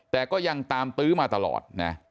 แต่ก็ยังตามตื้อมาตลอดนะ